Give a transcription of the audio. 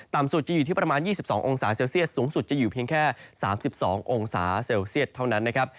สุดจะอยู่ที่ประมาณ๒๒องศาเซลเซียสสูงสุดจะอยู่เพียงแค่๓๒องศาเซลเซียตเท่านั้นนะครับ